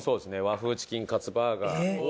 和風チキンカツバーガー。